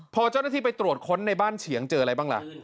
พอเจ้าหน้าที่ไปตรวจค้นในบ้านเฉียงเจออะไรบ้างล่ะ